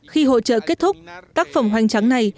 khi hội trợ kết thúc tác phẩm hoành tráng này